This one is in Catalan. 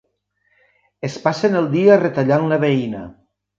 Es passen el dia retallant la veïna.